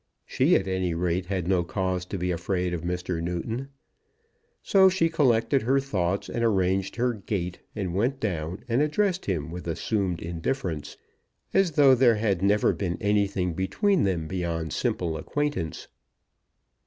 She, at any rate, had no cause to be afraid of Mr. Newton. So she collected her thoughts, and arranged her gait, and went down, and addressed him with assumed indifference, as though there had never been anything between them beyond simple acquaintance.